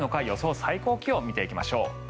最高気温見ていきましょう。